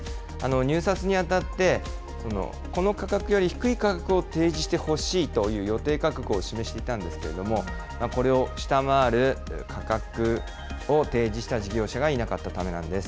入札にあたって、この価格より低い価格を提示してほしいという予定価格を示していたんですけれども、これを下回る価格を提示した事業者がいなかったためなんです。